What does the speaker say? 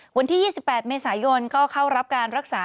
วันที่๒๘เมษายนก็เข้ารับการรักษา